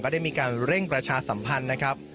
ได้มีการเร่งประชาสัมพันธ์นะครับ